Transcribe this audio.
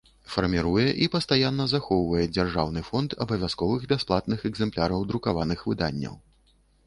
Фармiруе i пастаянна захоўвае дзяржаўны фонд абавязковых бясплатных экзэмпляраў друкаваных выданняў.